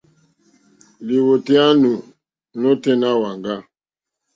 Lìwòtéyá nù nôténá wàŋgá.